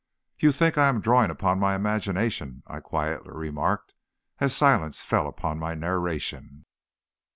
"You think I am drawing upon my imagination," I quietly remarked, as silence fell upon my narration.